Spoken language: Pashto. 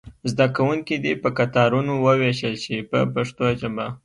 زده کوونکي دې په کتارونو وویشل شي په پښتو ژبه.